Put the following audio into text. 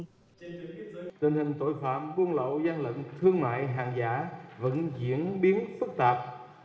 tình hình tội phạm buôn lậu gian lận thương mại hàng giả vẫn diễn biến phức tạp